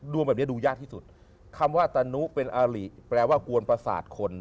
ดวงแบบนี้ดูยากที่สุดคำว่าตะนุเป็นอาริแปลว่ากวนประสาทคน